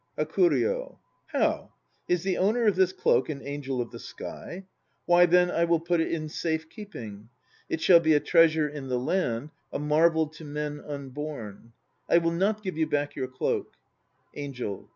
HAKURYO. How? Is the owner of this cloak an angel of the sky? Why, tin MI. I will put it in safe keeping. It shall be a treasure in the land, a marvel to men unborn. 1 I will not give back your cloak. ANGEL.